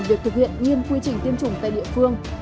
việc thực hiện nghiêm quy trình tiêm chủng tại địa phương